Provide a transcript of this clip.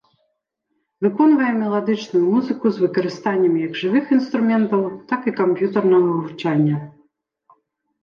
Выконвае меладычную музыку з выкарыстаннем як жывых інструментаў, так і камп'ютарнага гучання.